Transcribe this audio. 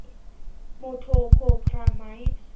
เมโทโคลพราไมด์